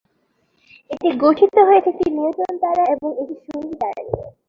এটি গঠিত হয়েছে একটি নিউট্রন তারা এবং একটি সঙ্গী তারা নিয়ে।